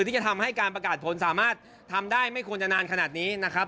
ที่จะทำให้การประกาศผลสามารถทำได้ไม่ควรจะนานขนาดนี้นะครับ